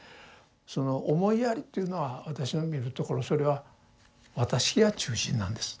その「思いやり」というのは私が見るところそれは「私が中心」なんです。